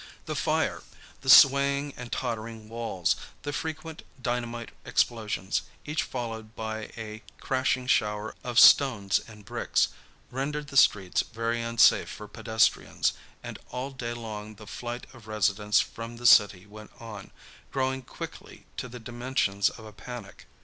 The fire, the swaying and tottering walls, the frequent dynamite explosions, each followed by a crashing shower of stones and bricks, rendered the streets very unsafe for pedestrians, and all day long the flight of residents from the city went on, growing quickly to the dimensions of a panic.